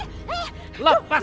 oh liat kan